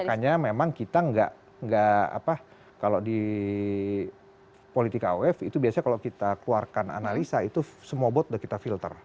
makanya memang kita nggak apa kalau di politika af itu biasanya kalau kita keluarkan analisa itu semua bot sudah kita filter